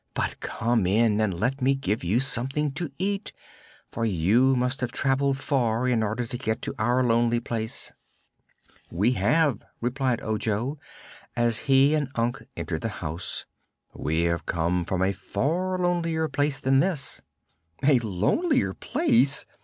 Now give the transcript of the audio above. "But come in and let me give you something to eat, for you must have traveled far in order to get our lonely place." "We have," replied Ojo, as he and Unc entered the house. "We have come from a far lonelier place than this." "A lonelier place!